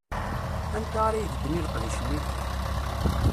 Anta ara ibedden i leqdic-nni?